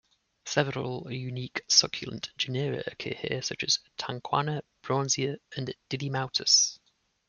Several unique succulent genera occur here, such as "Tanquana", "Braunsia" and "Didymaotus".